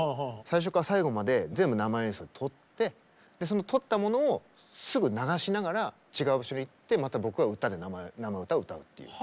最初から最後まで全部生演奏で撮ってその撮ったものをすぐ流しながら違う場所に行ってまた僕は歌で生歌を歌うっていう。